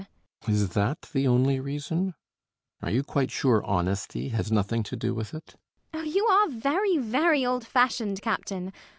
Oh, you are very very old fashioned, Captain.